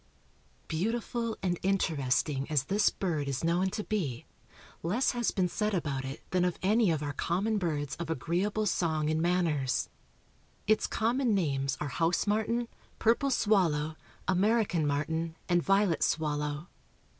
_) Beautiful and interesting as this bird is known to be, less has been said about it than of any of our common birds of agreeable song and manners. Its common names are house martin, purple swallow, American martin, and violet swallow.